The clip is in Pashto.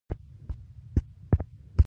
زیرمې ګټه لري.